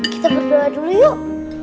kita berdoa dulu yuk